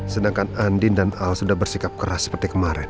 sedangkan andin dan al sudah bersikap keras seperti kemarin